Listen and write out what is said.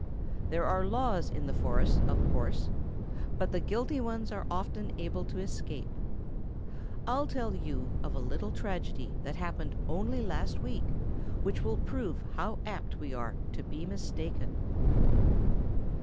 There are laws in the forest, of course; but the guilty ones are often able to escape. I'll tell you of a little tragedy that happened only last week, which will prove how apt we are to be mistaken."